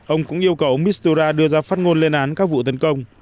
ông cũng yêu cầu ông mistura đưa ra phát ngôn lên án các vụ tấn công